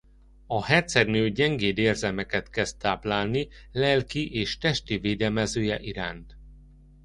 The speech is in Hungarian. A hercegnő gyengéd érzelmeket kezd táplálni lelki és testi védelmezője iránt.